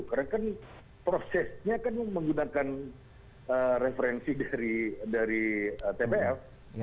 karena kan prosesnya kan menggunakan referensi dari tpf